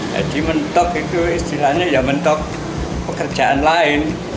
jadi mentok itu istilahnya ya mentok pekerjaan lain